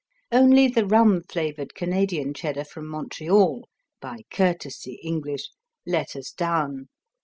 Only the rum flavored Canadian Cheddar from Montreal (by courtesy English) let us down.